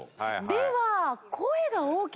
では。